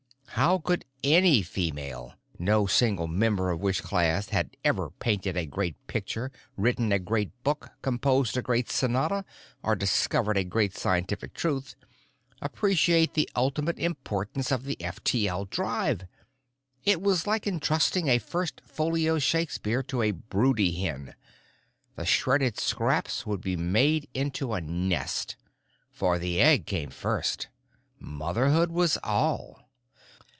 How could any female—no single member of which class had ever painted a great picture, written a great book, composed a great sonata, or discovered a great scientific truth—appreciate the ultimate importance of the F T L drive? It was like entrusting a first folio Shakespeare to a broody hen; the shredded scraps would be made into a nest. For the egg came first. Motherhood was all.